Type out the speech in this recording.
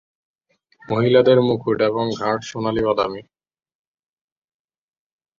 মহিলাদের মুকুট এবং ঘাড় সোনালী বাদামি।